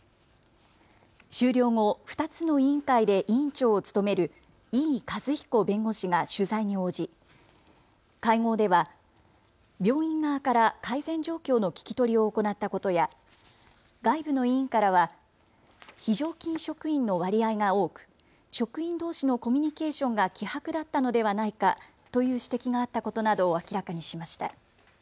終了後、２つの委員会で委員長を務める伊井和彦弁護士が取材に応じ会合では病院側から改善状況の聞き取りを行ったことや外部の委員からは非常勤職員の割合が多く職員どうしのコミュニケーションが希薄だったのではないかという指摘があったことなどを明らかにしました。